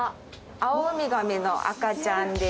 アオウミガメの赤ちゃんです。